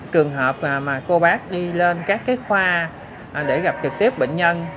trường hợp mà cô bác đi lên các khoa để gặp trực tiếp bệnh nhân